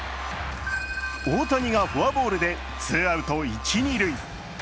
大谷がフォアボールでツーアウト一・二塁。